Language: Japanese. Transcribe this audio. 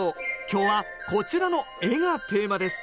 今日はこちらの絵がテーマです